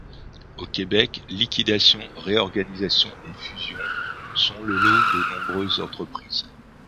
Au Québec, liquidations, réorganisations et fusions sont le lot de nombreuses entreprises.